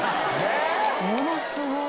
ものすごい。